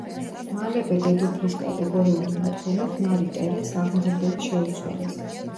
მალევე დედოფლის კატეგორიული მოთხოვნით მარი ტერეზს აღმზრდელი შეუცვალეს.